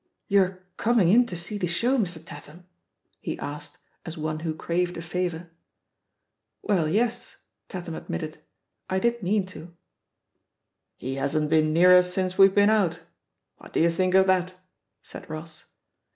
"You're coming in to see the show, Mr. Tat ham?" he asked, as one who craved a favour, "Well, yes,'' Tatham admitted, "I did mean "He hasn't been near us since we've been out. What do you think of that?" said Koss.